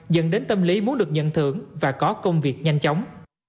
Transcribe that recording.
dẫn đến tâm lý muốn được nhận thưởng và có công việc nhanh chóng